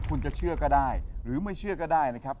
คุณจะเชื่อก็ได้หรือไม่เชื่อก็ได้นะครับ